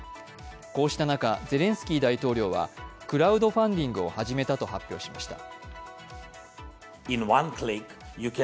こうした中、ゼレンスキー大統領はクラウドファンディングを始めたと発表しました。